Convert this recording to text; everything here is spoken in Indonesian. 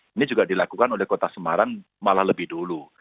ini juga dilakukan oleh kota semarang malah lebih dulu